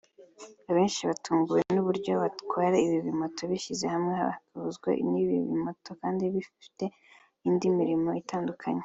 Abenshi batunguwe n’uburyo abatwara ibi bimoto bishyize hamwe bagahuzwa n’ibi bimoto kandi bafite indi mirimo itandukanye